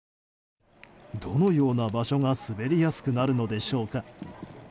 どのような場所が滑りやすくなるのでしょうか。